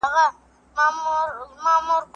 د مسابقې په ورځ څوک مخکي سو؟